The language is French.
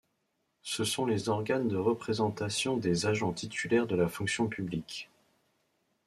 Ce sont les organes de représentation des agents titulaires de la fonction publique.